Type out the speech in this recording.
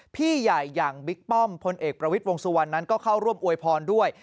พี่ใหญ่อย่างบิ๊กป้อมพลเอกประวิทย์วงสุวรรณนั้นก็เข้าร่วมอวยพรด้วย